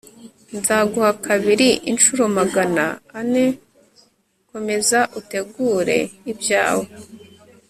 nzaguha kabiri inshuro magana ane. komeza utegure ibyawe